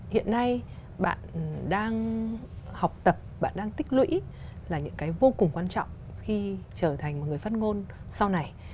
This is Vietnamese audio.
hiện nay bạn đang học tập bạn đang tích lũy là những cái vô cùng quan trọng khi trở thành một người phát ngôn sau này